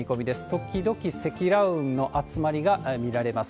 ときどき積乱雲の集まりが見られます。